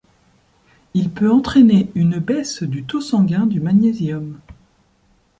Il peut entraîner une baisse du taux sanguin du magnésium.